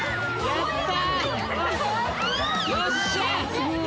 やった！